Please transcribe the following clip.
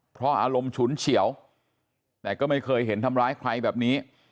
เพราะอารมณ์ฉุนเฉียวแต่ก็ไม่เคยเห็นทำร้ายใครแบบนี้